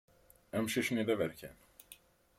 Amcic-nni d aberkan.